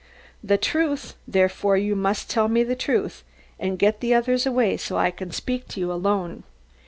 "The truth, therefore, you must tell me the truth, and get the others away, so I can speak to you alone.